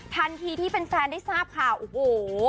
ทันทีที่แฟนได้ทราบข่าวโอ้โห